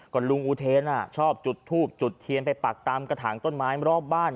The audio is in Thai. ก็ลุงอุเทนชอบจุดทูบจุดเทียนไปปักตามกระถางต้นไม้รอบบ้าน